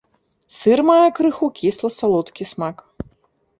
Сыр мае крыху кісла-салодкі смак.